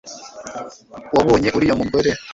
wabonye uriya mugore